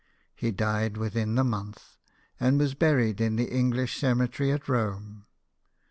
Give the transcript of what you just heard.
He died within the month, and was buried in the English cemetery at Rome.